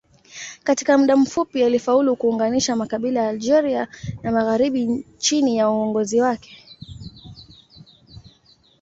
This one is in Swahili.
Katika muda mfupi alifaulu kuunganisha makabila ya Algeria ya magharibi chini ya uongozi wake.